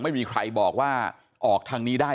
ไม่มีใครบอกว่าออกทางนี้ได้